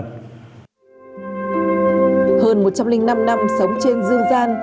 hơn một trăm linh năm năm sống trên dương gian